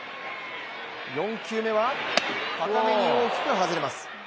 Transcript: ４球目は、高めに大きく外れます。